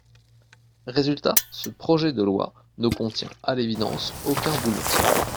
Résultat, ce projet de loi ne contient, à l’évidence, aucun bouleversement.